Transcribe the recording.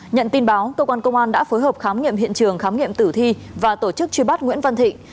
nhận tin báo cơ quan công an đã phối hợp khám nghiệm hiện trường khám nghiệm tử thi và tổ chức truy bắt nguyễn văn thịnh